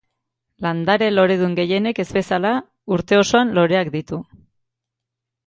Landare loredun gehienek ez bezala, urte osoan loreak ditu.